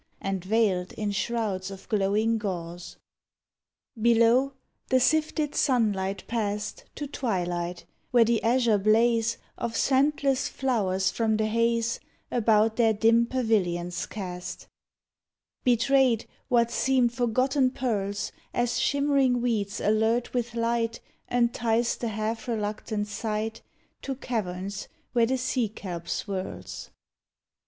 And veiled in shrouds of glowing gauze. 86 tHE GARDENS OF tHE SEA Below, the sifted sunlight passed To twilight, where the azure blaze Of scentless flowers from the haze About their dim pavilions cast Betrayed what seemed forgotten pearls, As shimmering weeds alert with light Enticed the half reluctant sight To caverns where the sea kelp swirls.